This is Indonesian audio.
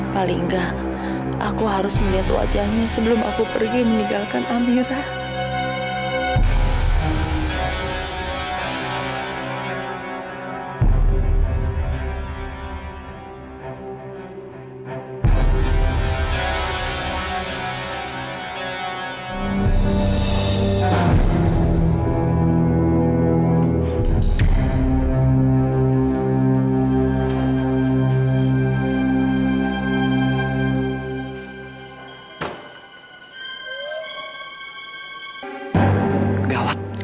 paling gak aku harus melihat wajahnya sebelum aku pergi meninggalkan amira